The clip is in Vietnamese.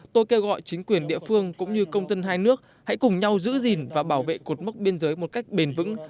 tôi kêu gọi chính quyền địa phương cũng như công dân hai nước hãy cùng nhau giữ gìn và bảo vệ cột mốc biên giới một cách bền vững